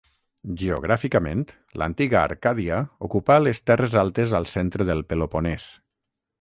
Geogràficament, l'antiga Arcàdia ocupà les terres altes al centre del Peloponés.